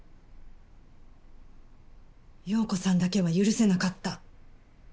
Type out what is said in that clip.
陽子さんだけは許せなかった。